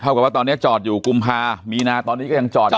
กับว่าตอนนี้จอดอยู่กุมภามีนาตอนนี้ก็ยังจอดอยู่